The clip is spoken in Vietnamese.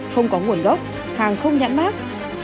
không có nguồn gốc hàng không nhãn mát